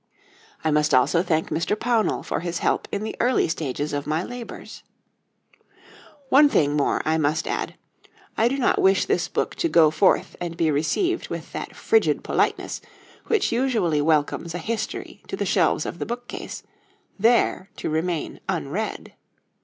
I must also thank Mr. Pownall for his help in the early stages of my labours. One thing more I must add: I do not wish this book to go forth and be received with that frigid politeness which usually welcomes a history to the shelves of the bookcase, there to remain unread.